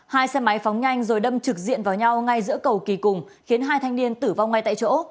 hai xe máy phóng nhanh rồi đâm trực diện vào nhau ngay giữa cầu kỳ cùng khiến hai thanh niên tử vong ngay tại chỗ